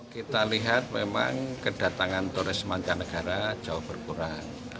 kita lihat memang kedatangan turis mancanegara jauh berkurang